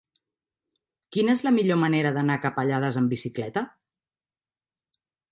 Quina és la millor manera d'anar a Capellades amb bicicleta?